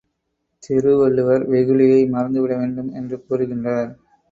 திருவள்ளுவர் வெகுளியை மறந்துவிட வேண்டும் என்று கூறுகின்றார்.